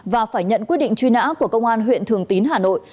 và phải nhận quyết định truy nã của công an huyện thường tín hà nội